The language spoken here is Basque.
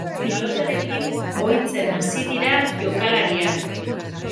Pilotarekin ohitzen hasi dira jokalariak.